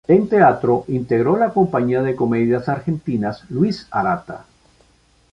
En teatro integró la Compañía de Comedias Argentinas Luis Arata.